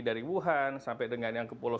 dari wuhan sampai dengan yang ke pulau